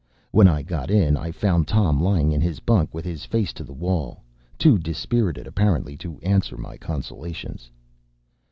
When I got in, I found Tom lying in his bunk with his face to the wall, too dispirited apparently to answer my consolations.